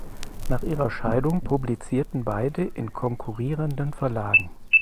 Nach ihrer Scheidung publizierten beide in konkurrierenden Verlagen.